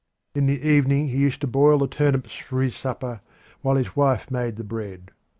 In the evening he used to boil the turnips for his supper while his wife made the bread.